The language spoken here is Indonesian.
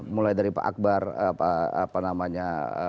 mulai dari pak akbar apa namanya